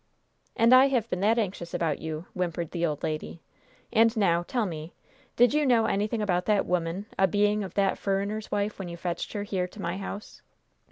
"And I have been that anxious about you!" whimpered the old lady. "And now, tell me, did you know anything about that woman a being of that furriner's wife when you fetched her here to my house?"